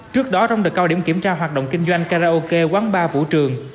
trước đó trong đợt cao điểm kiểm tra hoạt động kinh doanh karaoke quán bar vũ trường